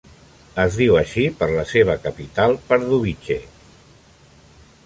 Es diu així per la seva capital, Pardubice.